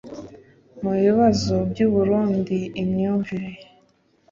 mu bibazo by’ u burundi imyumvire